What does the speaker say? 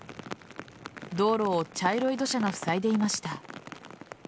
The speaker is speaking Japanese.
道路を茶色い土砂がふさいでいました。